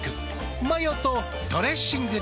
マヨとドレッシングで。